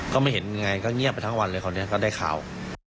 ก็ไม่เห็นยังไงก็เงียบไปทั้งวันเลยคราวนี้ก็ได้ข่าว